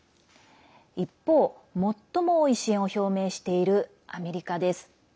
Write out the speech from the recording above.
一方、最も多い支援を表明しているアメリカです。